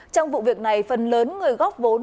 trong vụ việc này phần lớn người góp vốn